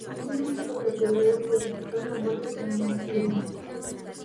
Inicialmente, las autoridades clasificaron la muerte como un accidente.